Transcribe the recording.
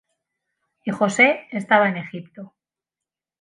Y José estaba en Egipto.